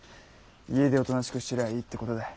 家でおとなしくしてりゃあいいってことだい。